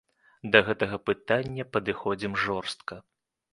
Да гэтага пытання падыходзім жорстка.